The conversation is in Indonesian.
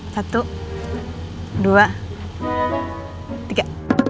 satu dua tiga